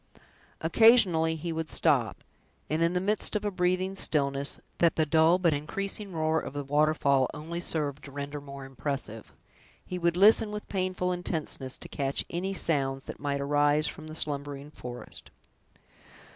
Occasionally he would stop; and in the midst of a breathing stillness, that the dull but increasing roar of the waterfall only served to render more impressive, he would listen with painful intenseness, to catch any sounds that might arise from the slumbering forest.